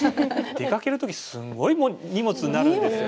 出かける時すごい荷物になるんですよね。